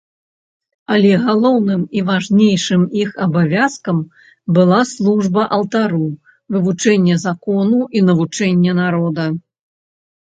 Але галоўным і важнейшым іх абавязкам была служба алтару, вывучэнне закону і навучанне народа.